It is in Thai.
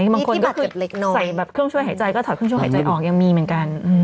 ใช่ค่ะบางคนใส่เครื่องช่วยหายใจก็ขับเครื่องช่วยหายใจออกยังมีเหมือนกัน